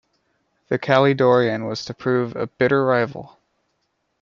The Caledonian was to prove a bitter rival.